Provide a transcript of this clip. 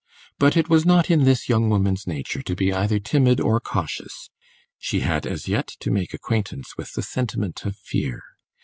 But it was not in this young woman's nature to be either timid or cautious; she had as yet to make acquaintance with the sentiment of fear.